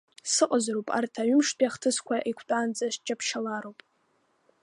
Сыҟазароуп, арҭ аҩымштәи ахҭысқәа еиқәтәаанӡа сҷаԥшьалароуп.